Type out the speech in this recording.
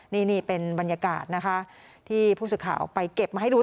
นี่เป็นบรรยากาศนะคะที่ผู้สื่อข่าวไปเก็บมาให้ดู